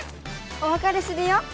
おわかれするよ！